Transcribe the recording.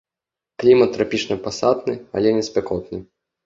Клімат трапічны пасатны, але не спякотны.